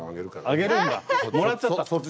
あげるんだもらっちゃった。